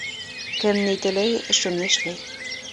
Кем ни теләй, шуны эшләй.